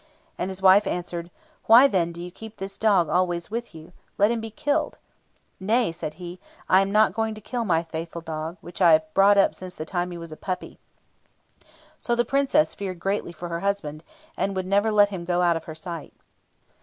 And his wife answered, "Why, then, do you keep this dog always with you? Let him be killed." "Nay," said he, "I am not going to kill my faithful dog, which I have brought up since the time that he was a puppy." So the Princess feared greatly for her husband, and would never let him go out of her sight.